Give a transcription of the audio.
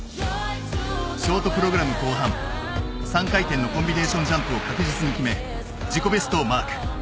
ショートプログラム後半３回転のコンビネーションジャンプを確実に決め自己ベストをマーク。